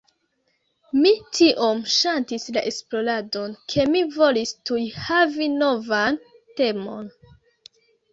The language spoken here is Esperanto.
Mi tiom ŝatis la esploradon, ke mi volis tuj havi novan temon.